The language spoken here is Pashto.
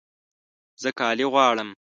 زه کالي غواړم